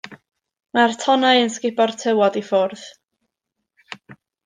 Mae'r tonnau yn sgubo'r tywod i ffwrdd.